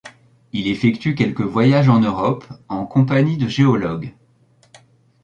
Il effectue quelques voyages en Europe en compagnie de géologues.